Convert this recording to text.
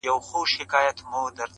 ورته شعرونه وايم.